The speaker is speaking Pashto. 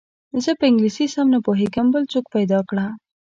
زه په انګلیسي سم نه پوهېږم بل څوک پیدا کړه.